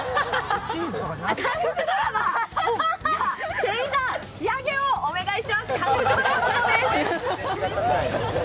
あ、じゃあ店員さん、仕上げをお願いします。